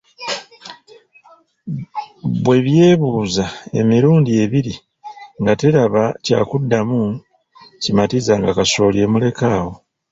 Bwe by’ebuuza emilundi ebiri nga teraba kyakuddamu kimatiza nga kasooli emulekawo.